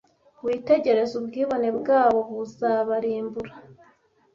witegereze ubwibone bwabo buzabarimbura